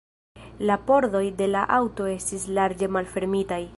La pordoj de la aŭto estis larĝe malfermitaj.